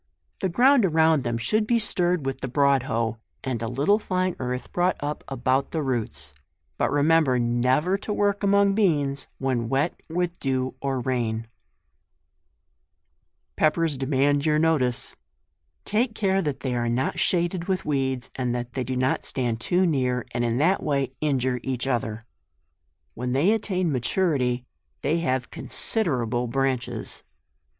The ground around them should be stirred with the broad hoe, and a little tine earth brought up about the roots ; but remember never to work among beans when wet with dew or rain. 148 jurffi. PEPPERS demand your notice. Take care that they are not shaded with weeds, and that they do not stand too near, and in that way injure each other. When they attain maturity they have considerable branches.